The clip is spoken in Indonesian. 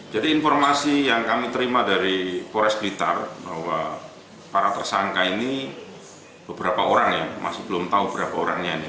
jadi informasi yang kami terima dari polres blitar bahwa para tersangka ini beberapa orang ya masih belum tahu berapa orangnya ini